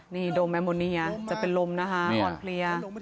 นี่โดมแอร์โมนีจะเป็นลมนะคะหอนเพลีย